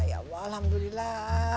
ya allah alhamdulillah